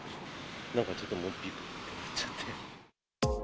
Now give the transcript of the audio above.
なんかちょっともう、びくってなっちゃって。